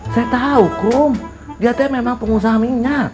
saya tau kum dia teh memang pengusaha minyak